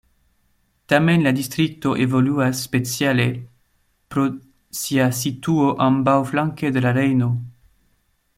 Tamen la distrikto evoluas speciale pro sia situo ambaŭflanke de la Rejno.